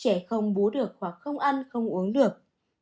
một mươi trẻ không bú được hoặc không ăn không uống được